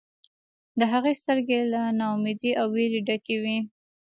د هغې سترګې له نا امیدۍ او ویرې ډکې وې